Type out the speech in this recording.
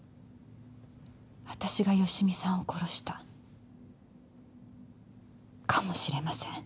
私が芳美さんを殺したかもしれません。